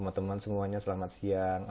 teman teman semuanya selamat siang